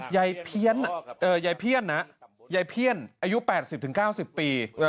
ยายเพี้ยนยายเพี้ยนยายเพี้ยนอายุ๘๐๙๐ปี